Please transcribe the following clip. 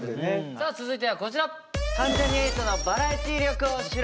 さあ続いてはこちら！